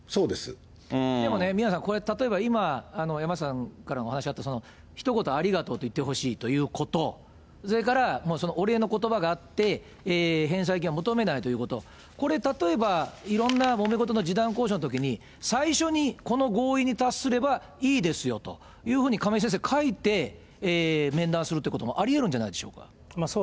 でもね、宮根さん、これ例えば、今、山下さんからもお話あった、ひと言ありがとうって言ってほしいということ、それから、お礼のことばがあって、返済金は求めないということ、これ、例えばいろんなもめごとの示談交渉のときに、最初にこの合意に達すればいいですよというふうに亀井先生書いて、面談するってこともありえるんじゃないでしょうか？